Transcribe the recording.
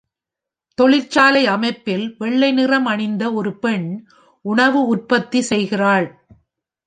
தொழிற்சாலை அமைப்பில் வெள்ளை நிறம் அணிந்த ஒரு பெண் உணவு உற்பத்தி செய்கிறாள்.